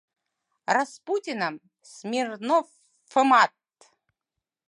«Распутиным», «Смирноф-фымат»...